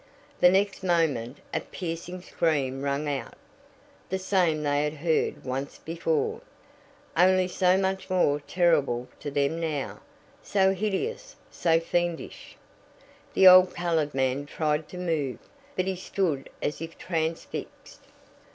The next moment a piercing scream rang out the same they had heard once before only so much more terrible to them now so hideous so fiendish! The old colored man tried to move, but he stood as if transfixed.